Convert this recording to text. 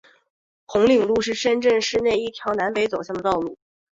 红岭路是深圳市内一条南北走向的道路。